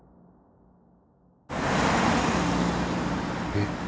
えっ？